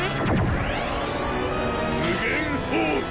無限放屁！